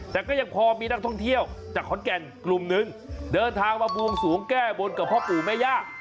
แต่ก็ยังพอมีนักท่องเที่ยวจากขอนแก่นกลุ่มนึงเดินทางมาบวงสวงแก้บนกับพ่อปู่แม่ย่า